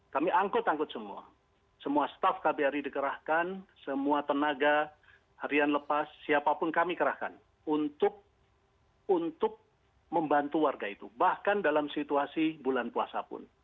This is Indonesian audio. kami angkut angkut semua semua staff kbri dikerahkan semua tenaga harian lepas siapapun kami kerahkan untuk membantu warga itu bahkan dalam situasi bulan puasa pun